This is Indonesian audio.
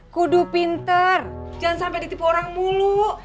kudu pinter jangan sampai ditipu orang mulu